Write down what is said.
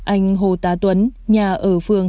anh hồ tá tuấn nhà ở phường